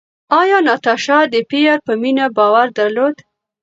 ایا ناتاشا د پییر په مینه باور درلود؟